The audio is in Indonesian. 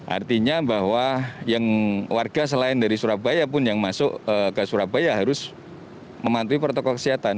artinya bahwa yang warga selain dari surabaya pun yang masuk ke surabaya harus mematuhi protokol kesehatan